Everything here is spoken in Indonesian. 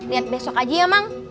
lihat besok aja ya mang